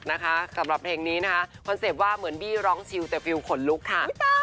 นะคะสำหรับเพลงนี้นะคะคอนเซ็ปต์ว่าเหมือนบี้ร้องชิวแต่ฟิลขนลุกค่ะ